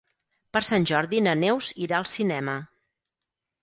Per Sant Jordi na Neus irà al cinema.